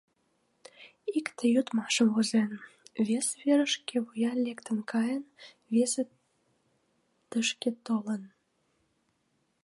Икте, йодмашым возен, вес верыш шкевуя лектын каен, весе тышке толын.